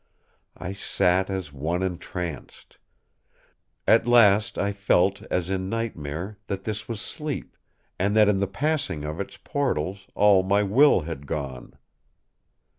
I sat as one entranced. At last I felt, as in nightmare, that this was sleep, and that in the passing of its portals all my will had gone.